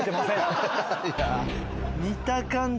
見た感じ